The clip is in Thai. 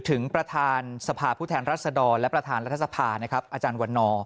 ถึงประธานสภาพผู้แทนรัศดรและประธานรัฐสภาอวันน